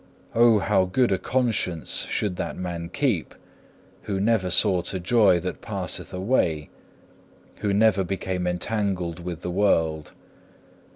O how good a conscience should that man keep, who never sought a joy that passeth away, who never became entangled with the world!